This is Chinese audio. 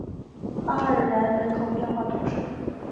阿尔然人口变化图示